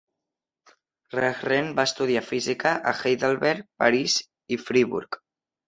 Rehren va estudiar física a Heidelberg, París y Friburg.